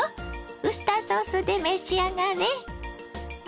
ウスターソースで召し上がれ！